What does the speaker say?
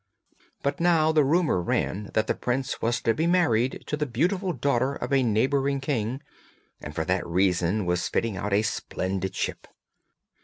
But now the rumour ran that the prince was to be married to the beautiful daughter of a neighbouring king, and for that reason was fitting out a splendid ship.